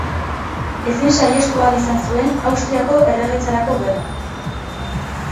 Ezin saihestu ahal izan zuen Austriako Erregetzarako Gerra.